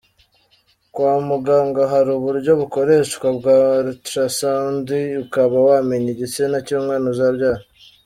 Kwa muganga hari uburyo bukoreshwa bwa ultrasound ukaba wamenya igitsina cy’umwana uzabyara.